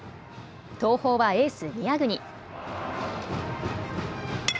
東邦はエース、宮國。